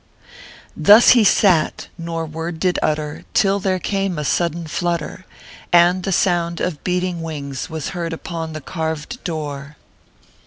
Thus ho sat, nor word did utter, till there came a sudden flutter, And the sound of beating wings was heard upon the carved door.